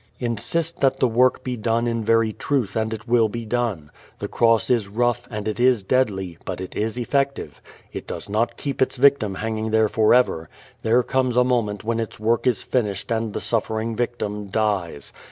Insist that the work be done in very truth and it will be done. The cross is rough, and it is deadly, but it is effective. It does not keep its victim hanging there forever. There comes a moment when its work is finished and the suffering victim dies.